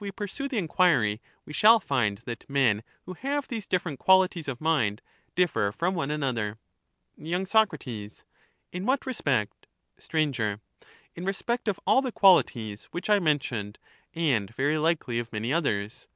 — pursue the enquiry, we shall find that men who have these '^^^ different qualities of mind differ from one another. ^^ j^q^ y. Soc, In what respect ? meet in Str, In respect of all the qualities which I mentioned, and ^^^* very likely of many others.